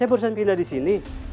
saya barusan pindah di sini